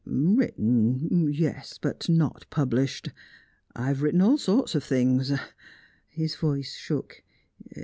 "Written yes, but not published. I have written all sorts of things." His voice shook.